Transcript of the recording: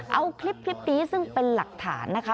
เอาคลิปนี้ซึ่งเป็นหลักฐานนะคะ